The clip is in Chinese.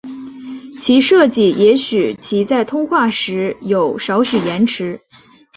其设计也使其在通话时有少许延迟。